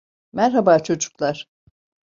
Merhaba, çocuklar.